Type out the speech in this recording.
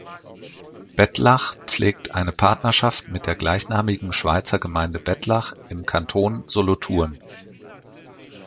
Bettlach pflegt eine Partnerschaft mit der gleichnamigen Schweizer Gemeinde Bettlach im Kanton Solothurn.